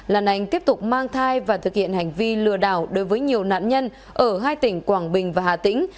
lan anh tiếp tục mang thai và thực hiện hành vi lừa đảo đối với nhiều nạn nhân ở hai tỉnh quảng bình và hà tĩnh